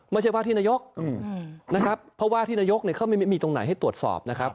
ไม่ใช่ว่าที่นายกนะครับเพราะว่าที่นายกเนี่ยเขาไม่มีตรงไหนให้ตรวจสอบนะครับ